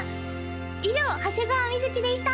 以上長谷川瑞でした！